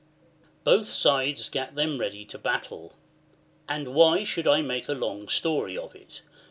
And so both sides gat them ready to battle. And why should I make a long story of it